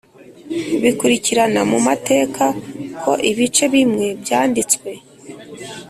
bikurikirana mu mateka ko ibice bimwe byandistwe